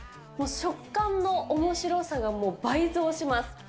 食感のおもしろさが倍増します。